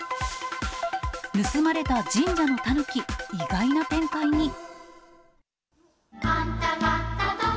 盗まれた神社のタヌキ、意外な展開に。